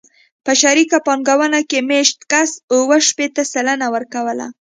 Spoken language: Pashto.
په شریکه پانګونه کې مېشت کس اوه شپېته سلنه ورکوله